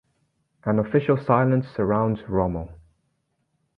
An official silence surrounds Rommel.